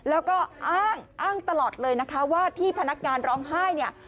แล้วก็อ้างอ้างตลอดเลยนะคะว่าที่พนักงานร้องไห้เนี่ย